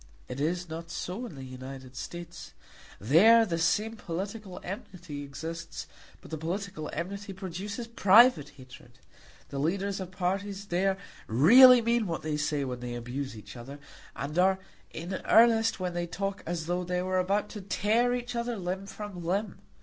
It is not so in the United States. There the same political enmity exists, but the political enmity produces private hatred. The leaders of parties there really mean what they say when they abuse each other, and are in earnest when they talk as though they were about to tear each other limb from limb.